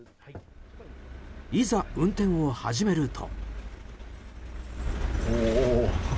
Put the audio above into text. いざ運転を始めると。